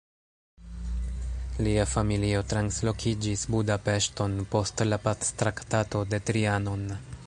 Lia familio translokiĝis Budapeŝton post la Pactraktato de Trianon.